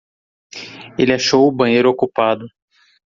Ele achou o banheiro ocupado.